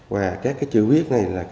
và các chữ viết này là